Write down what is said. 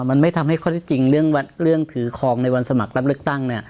มันไม่ทำให้ข้อที่จริงเรื่องถือคลองในวันสมัครรับเลือกตั้งเนี่ย